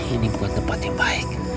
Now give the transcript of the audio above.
ini buat tempat yang baik